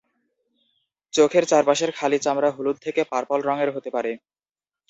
চোখের চারপাশের খালি চামড়া হলুদ থেকে পার্পল রঙের হতে পারে।